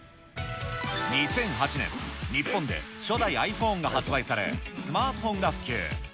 ２００８年、日本で初代ｉＰｈｏｎｅが発売され、スマートフォンが普及。